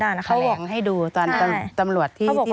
ตอนที่ตำรวจแท้แหลงให้ดูตอนตำรวจที่น้องกลัว